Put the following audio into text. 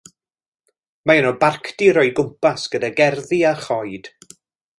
Mae yno barcdir o'i gwmpas gyda gerddi a choed.